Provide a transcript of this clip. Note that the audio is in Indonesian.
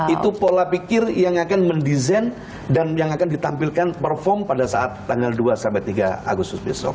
itu pola pikir yang akan mendesain dan yang akan ditampilkan perform pada saat tanggal dua tiga agustus besok